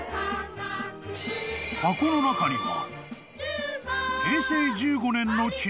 ［箱の中には］